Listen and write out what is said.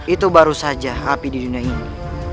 itu baru saja api di dunia ini